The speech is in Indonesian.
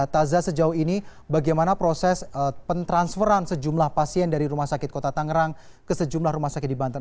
taza sejauh ini bagaimana proses pentransferan sejumlah pasien dari rumah sakit kota tangerang ke sejumlah rumah sakit di banten